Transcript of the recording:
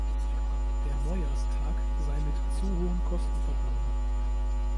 Der Neujahrstag sei mit zu hohen Kosten verbunden.